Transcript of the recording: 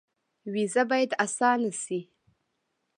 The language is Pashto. ویزه باید اسانه شي